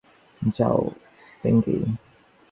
যাও, স্টিংকি!